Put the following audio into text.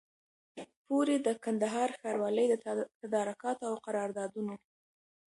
پوري د کندهار ښاروالۍ د تدارکاتو او قراردادونو